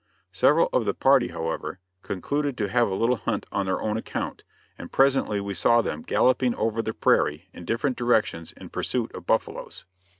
Several of the party, however, concluded to have a little hunt on their own account, and presently we saw them galloping over the prairie in different directions in pursuit of buffaloes.